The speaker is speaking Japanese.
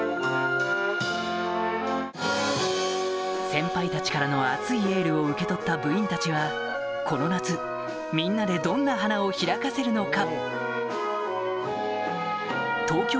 先輩たちからの熱いエールを受け取った部員たちはこの夏みんなでどんな花を開かせるのか？